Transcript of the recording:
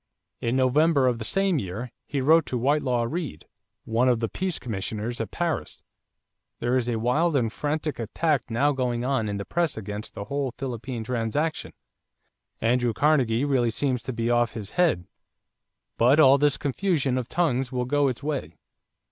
In November of the same year he wrote to Whitelaw Reid, one of the peace commissioners at Paris: "There is a wild and frantic attack now going on in the press against the whole Philippine transaction. Andrew Carnegie really seems to be off his head.... But all this confusion of tongues will go its way.